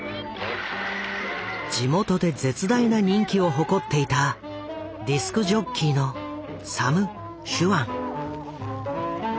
地元で絶大な人気を誇っていたディスクジョッキーのサム・シュアン。